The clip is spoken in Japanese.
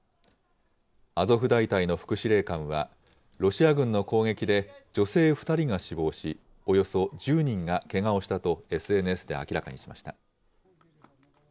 アゾフ大隊の副司令官は、ロシア軍の攻撃で女性２人が死亡し、およそ１０人がけがをしたとＳＮＳで明らかにしました。